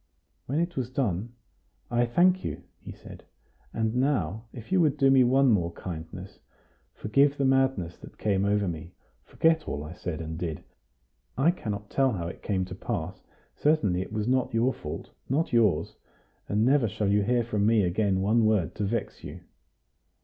When it was done: "I thank you," he said. "And now, if you would do me one more kindness, forgive the madness that came over me; forget all I said and did. I cannot tell how it came to pass; certainly it was not your fault not yours. And never shall you hear from me again one word to vex you."